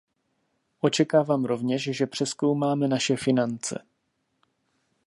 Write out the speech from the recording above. Očekávám rovněž, že přezkoumáme naše finance.